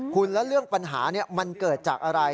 คุณแล้วเรื่องปัญหามันเกิดจากอะไร